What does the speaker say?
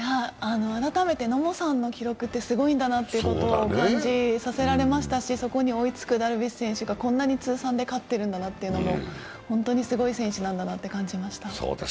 改めて野茂さんの記録ってすごいんだなと感じましたし、そこに追いつくダルビッシュ選手がこんなに通算で勝ってるんだなというのも本当にすごい選手なんだなって感じました。